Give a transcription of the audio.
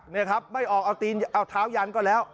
นี่ครับไม่ออกเอาเท้ายันก็แล้ว